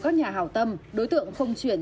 các nhà hảo tâm đối tượng không chuyển